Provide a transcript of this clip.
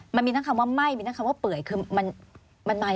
มันมีคำว่าไหม้มีคำว่าเปื่อย